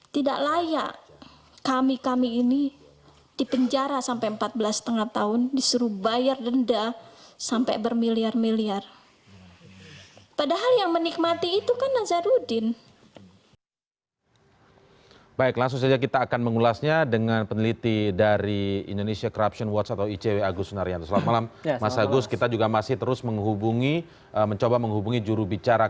tidak layak kami kami ini dipenjara sampai empat belas lima tahun disuruh bayar denda sampai bermiliar miliar